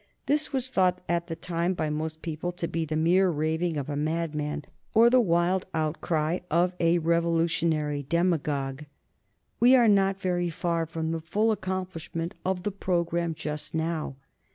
This was thought at the time by most people to be the mere raving of a madman or the wild outcry of a revolutionary demagogue. We are not very far from the full accomplishment of the programme just now.